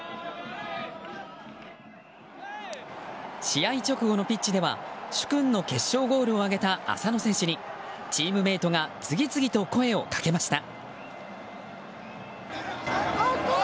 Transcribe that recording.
試合直後のピッチでは殊勲の決勝ゴールを挙げた浅野選手にチームメートが次々と声をかけました。